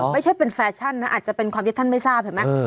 ไม่ใช่เป็นแฟชั่นนะอาจจะเป็นความที่ท่านไม่ทราบเห็นไหม